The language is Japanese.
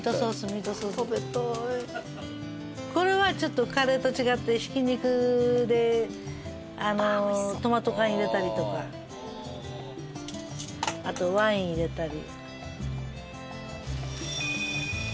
これはちょっとカレーと違ってひき肉でトマト缶入れたりとかあとワイン入れたり。